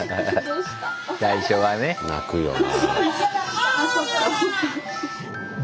最初はね。泣くよな。